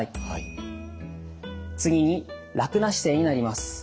次に楽な姿勢になります。